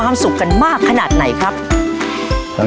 และวันนี้โรงเรียนไทรรัฐวิทยา๖๐จังหวัดพิจิตรครับ